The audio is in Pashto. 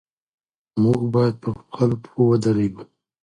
موږ بايد پر خپلو پښو ودرېږو.